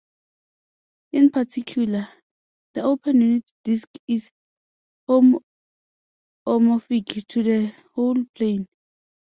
In particular, the open unit disk is homeomorphic to the whole plane.